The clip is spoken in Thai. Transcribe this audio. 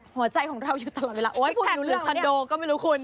หัวใจของเราอยู่ตลอดเวลาโอ๊ยพูดอยู่คอนโดก็ไม่รู้คุณ